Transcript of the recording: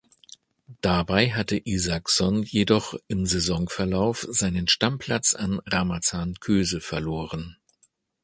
Dabei hatte Isaksson jedoch im Saisonverlauf seinen Stammplatz an Ramazan Köse verloren.